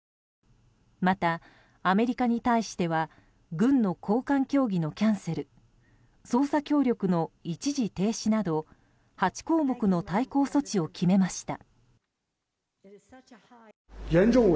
また、アメリカに対しては軍の高官協議のキャンセル捜査協力の一時停止など８項目の対抗措置を決めました。